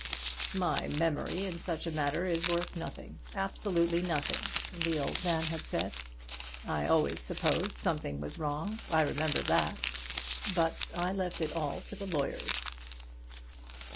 "My memory in such a matter is worth nothing, absolutely nothing," the old man had said. "I always supposed something was wrong. I remember that. But I left it all to the lawyers."